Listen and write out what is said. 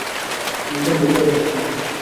একজন যোদ্ধা বেছে নাও।